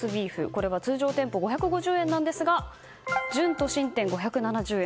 これが通常店舗５５０円なんですが準都心店、５７０円